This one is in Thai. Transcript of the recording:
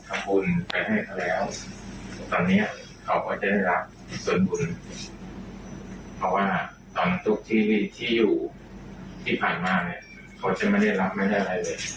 แต่ทำให้ก็ไปไม่ถึงเขาเขาว่าทำยังไงก็ไม่ถึงเพราะว่าเขาไม่ได้รับไม่เจอพระไม่เจออะไรเลย